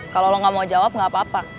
kalo lo gak mau jawab gak apa apa